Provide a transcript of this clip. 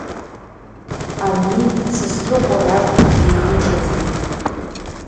Амни Сасрыҟәа раб дихымшаӡеит.